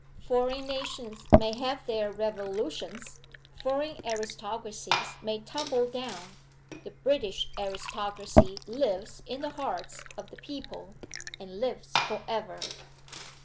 foreign nations may have their revolutions! foreign aristocracies may tumble down! The British aristocracy lives in the hearts of the people, and lives forever!